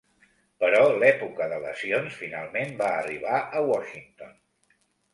Però l'època de lesions finalment va arribar a Washington.